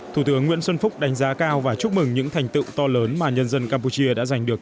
thủ tướng nguyễn xuân phúc đánh giá cao và chúc mừng những thành tựu to lớn mà nhân dân campuchia đã giành được